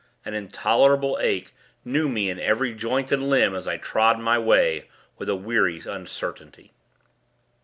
An intolerable ache, knew me in every joint and limb, as I trod my way, with a weary uncertainty.